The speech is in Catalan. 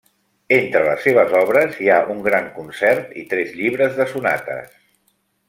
Entre les seves obres hi ha un gran concert i tres llibres de sonates.